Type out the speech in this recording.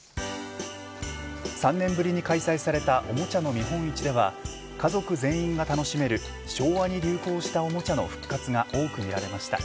３年ぶりに開催されたおもちゃの見本市では家族全員が楽しめる昭和に流行したおもちゃの復活が多く見られました。